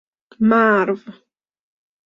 مرو